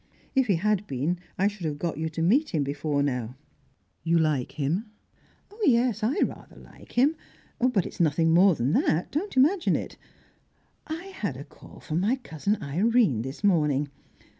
If he had been, I should have got you to meet him before now." "You like him?" "Yes, I rather like him. But it's nothing more than that; don't imagine it. Oh, I had a call from my cousin Irene this morning.